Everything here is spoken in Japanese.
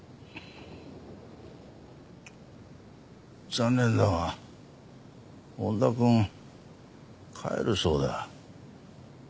残念だが恩田君帰るそうだ。